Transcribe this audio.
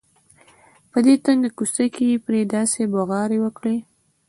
په دې تنګه کوڅه کې یې پرې داسې بغارې وکړې.